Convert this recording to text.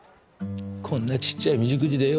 こんなちっちゃい未熟児でよ